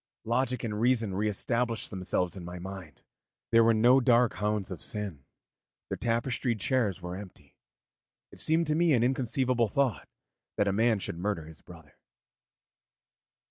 Logic and reason re established themselves in my mind, there were no dark hounds of sin, the tapestried chairs were empty. It seemed to me an inconceivable thought that a man should murder his brother.